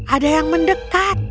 ada yang mendekat